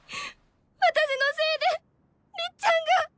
私のせいでりっちゃんが！